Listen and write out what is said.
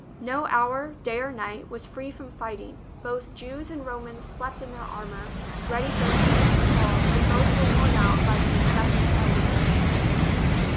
No hour, day or night, was free from fighting ; both Jews and Romans slept in their armour, ready for an instant call, and both were worn out by the in cessant fighting.